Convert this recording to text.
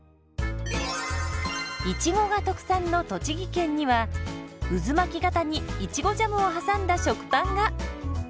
いちごが特産の栃木県には渦巻き型にいちごジャムを挟んだ食パンが！